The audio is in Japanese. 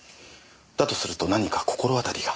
だとすると何か心当たりが？